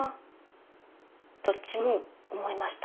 どっちも思いました。